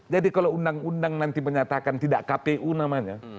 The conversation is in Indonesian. jadi kalau undang undang nanti menyatakan tidak kpu namanya